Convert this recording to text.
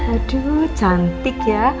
aduh cantik ya